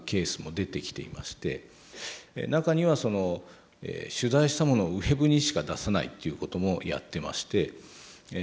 中には取材したものをウェブにしか出さないということもやってまして。